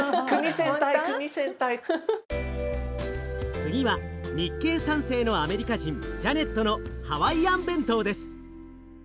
次は日系三世のアメリカ人ジャネットのハワイアン弁当です。